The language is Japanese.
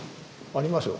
ありますよ